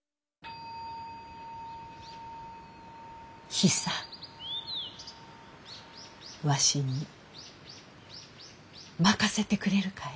ヒサわしに任せてくれるかえ？